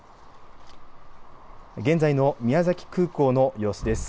現在の宮崎空港の様子です。